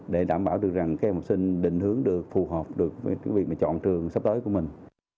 để đảm bảo được rằng các em học sinh định hướng được phù hợp được với cái việc mà chọn trường sắp tới của mình